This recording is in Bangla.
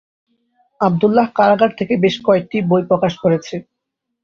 আব্দুল্লাহ কারাগার থেকে বেশ কয়েকটি বই প্রকাশ করেছেন।